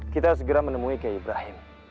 kita harus segera menemui kiai ibrahim